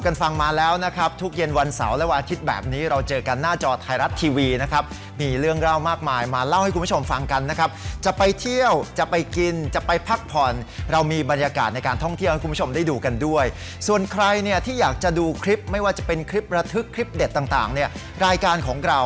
อย่าลืมเล่าสู่กันฟัง